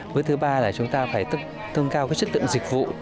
bước thứ ba là chúng ta phải tương cao cái chất lượng dịch vụ